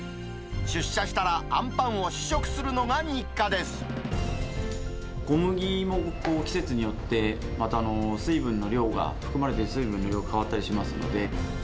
出社したらあんぱんを試食するの小麦も季節によってまた水分の量が、含まれている水分の量が変わったりしますので。